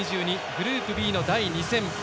グループＢの第２戦。